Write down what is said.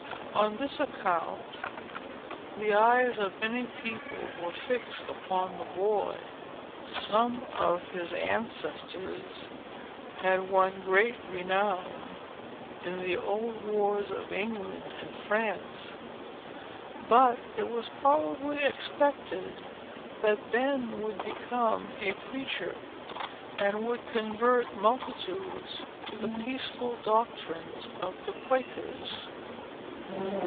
On this account, the eyes of many people were fixed upon the boy. Some of his ancestors had won great renown in the old wars of England and France; but it was probably expected that Ben would become a preacher, and would convert multitudes to the peaceful doctrines of the Quakers.